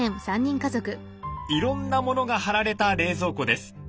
いろんなものが貼られた冷蔵庫です。